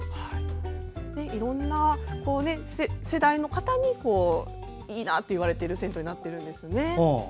いろいろな世代の方にいいなと言われている銭湯になってるんですね。